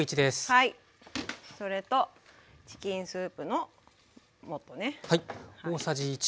それとチキンスープの素ね。